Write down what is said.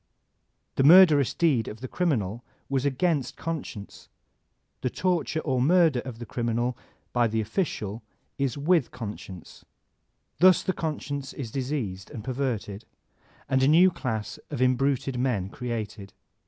The murderous deed of the criminal was agamst conscience, the torture or the murder of the crim inal by the official is with conscience. Thus the conscience is diseased and perverted, and a new class of imbruted men created.